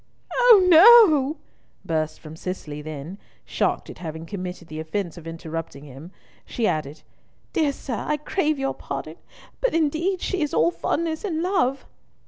"Oh no!" burst from Cicely, then, shocked at having committed the offence of interrupting him, she added, "Dear sir, I crave your pardon, but, indeed, she is all fondness and love."